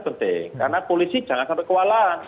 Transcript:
penting karena polisi jangan sampai kewalahan